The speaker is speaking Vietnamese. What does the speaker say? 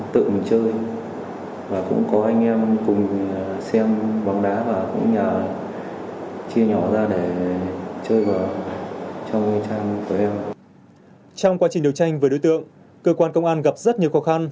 trong quá trình đấu tranh với đối tượng cơ quan công an gặp rất nhiều khó khăn